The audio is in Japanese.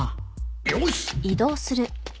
よし！